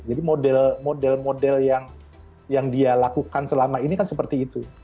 jadi model model yang dia lakukan selama ini kan seperti itu